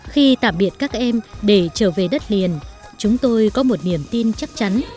khi tạm biệt các em để trở về đất liền chúng tôi có một niềm tin chắc chắn